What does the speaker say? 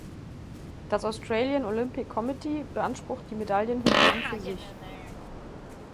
Das Australian Olympic Committee beansprucht die Medaillen hingegen für sich.